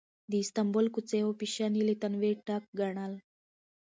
د استانبول کوڅې او فېشن یې له تنوع ډک ګڼل.